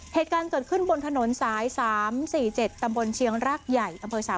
เหตุการณ์เกิดขึ้นบนถนนสาย๓๔๗ตำบลเชียงรากใหญ่อำเภอ๓๐